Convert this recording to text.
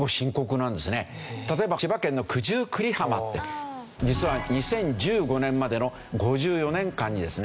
例えば千葉県の九十九里浜って実は２０１５年までの５４年間にですね